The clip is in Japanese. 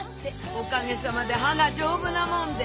おかげさまで歯が丈夫なもんで。